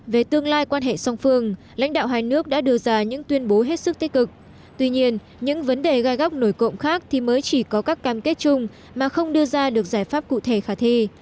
về tương lai quan hệ song phương lãnh đạo hai nước đã đưa ra những tuyên bố hết sức tích cực tuy nhiên những vấn đề gai góc nổi cộng khác thì mới chỉ có các cam kết chung mà không đưa ra được giải pháp cụ thể khả thi